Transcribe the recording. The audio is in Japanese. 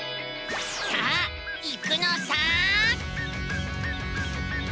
さあ行くのさ！